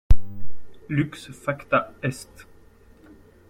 Lux facta est